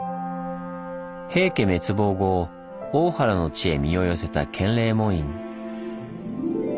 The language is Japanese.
平家滅亡後大原の地へ身を寄せた建礼門院。